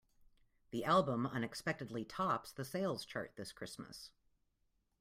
The album unexpectedly tops the sales chart this Christmas.